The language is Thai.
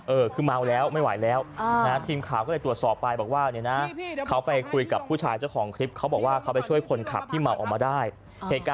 เออคือเมาแล้วไม่ไหวแล้วอ่า